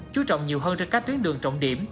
chú trọng nhiều hơn trên các tuyến đường trọng điểm